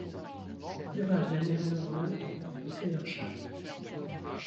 Duras devient alors le de Feversham.